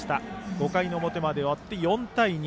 ５回の表まで終わって４対２。